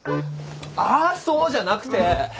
「あっそう」じゃなくて！